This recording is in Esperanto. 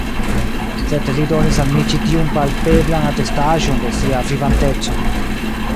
Sed li donis al mi ĉi tiun palpeblan atestaĵon de sia vivanteco.